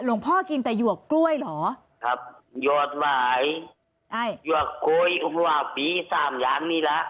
หลวงพ่อกินแต่หยวกกล้วยเหรอครับหยวกกล้วยหัวปีสามอย่างนี่แหละ